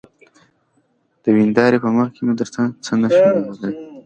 د ويندارې په مخکې مې درته څه نشوى ويلى.